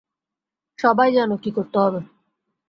সবাই জানো কী করতে হবে।